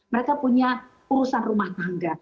mereka punya urusan rumah tangga